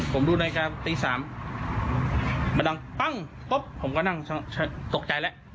ผมดูนาฬิกาตี๓มันดังปั้งปุ๊บผมก็นั่งตกใจแล้ว